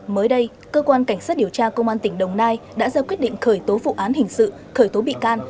mới đây cơ quan cảnh sát điều tra công an tỉnh đồng nai đã ra quyết định khởi tố vụ án hình sự khởi tố bị can